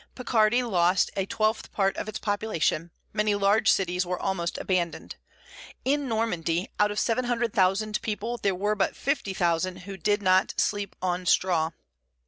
Picardy lost a twelfth part of its population; many large cities were almost abandoned. In Normandy, out of seven hundred thousand people, there were but fifty thousand who did not sleep on straw.